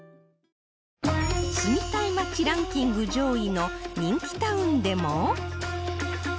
住みたい街ランキング上位の人気タウンでも